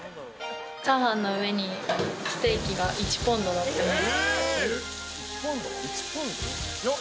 チャーハンの上にステーキが１ポンド乗ってます。